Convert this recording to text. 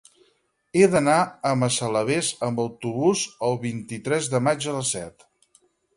He d'anar a Massalavés amb autobús el vint-i-tres de maig a les set.